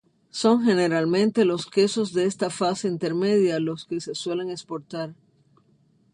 Son generalmente los quesos de esta fase intermedia los que se suelen exportar.